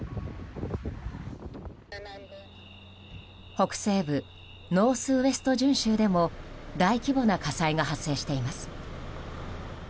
北西部ノースウエスト準州でも大規模な火災が発生しています。